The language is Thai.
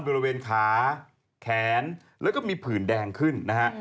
บริเวณขาแขนแล้วก็มีผื่นแดงขึ้นนะฮะ